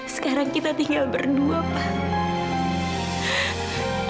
sekarang kita tinggal berdua pak